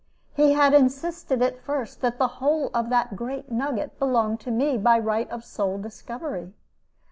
He had insisted at first that the whole of that great nugget belonged to me by right of sole discovery.